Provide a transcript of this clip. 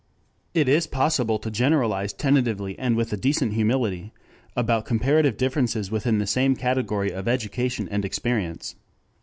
It is possible to generalize tentatively and with a decent humility about comparative differences within the same category of education and experience.